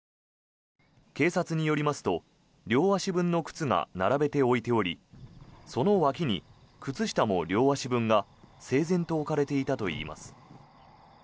警察によりますと両足分の靴が並べて置いてありその脇に、靴下も両足分が整然と置かれていたといいます。